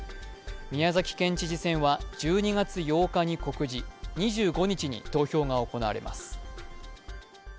宮崎県知事選は１２月８日に告示、２５日に投票が行われます。